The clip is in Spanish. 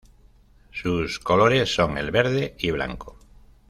Sus colores son el verde y blanco.